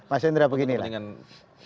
mas indra beginilah